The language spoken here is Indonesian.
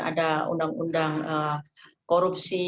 ada undang undang korupsi